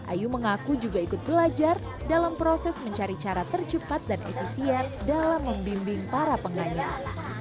ayu mengaku juga ikut belajar dalam proses mencari cara tercepat dan efisien dalam membimbing para pengganya